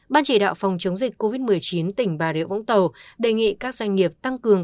ban chỉ đạo phòng chống dịch covid một mươi chín tỉnh bảo địa phú tàu đề nghị các doanh nghiệp tăng cường